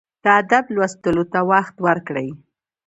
د ادب لوستلو ته وخت ورکړئ.